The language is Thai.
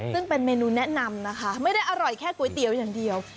ซึ่งเป็นเมนูแนะนำนะคะไม่ได้อร่อยแค่ก๋วยเตี๋ยวอย่างเดียว